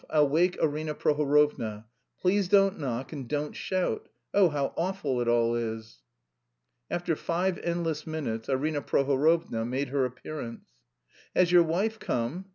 I'll wake Arina Prohorovna. Please don't knock and don't shout.... Oh, how awful it all is!" After five endless minutes, Arina Prohorovna made her appearance. "Has your wife come?"